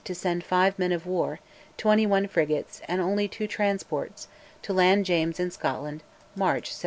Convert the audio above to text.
to send five men of war, twenty one frigates, and only two transports, to land James in Scotland (March 1708).